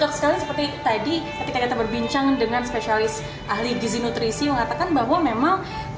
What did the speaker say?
ya sekali seperti tadi ketika kita berbincang dengan spesialis ahli gizi nutrisi mengatakan bahwa memang